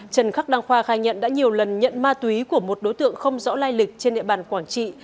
trần khắc đăng khoa khai nhận đã nhiều lần nhận ma túy của một đối tượng không rõ lai lịch trên địa bàn quảng trị